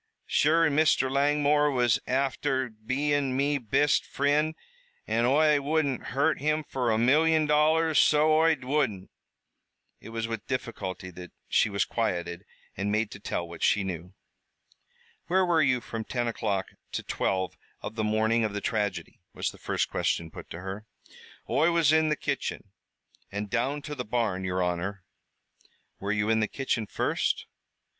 Sure an' Mr. Langmore was afther bein' me bist frind, an' Oi wouldn't harm him fer a million dollars, so Oi wouldn't!" It was with difficulty that she was quieted and made to tell what she knew. "Where were you from ten o'clock to twelve of the morning of the tragedy?" was the first question put to her. "Oi was in the kitchen, an' down to the barn, yer honor." "Were you in the kitchen first."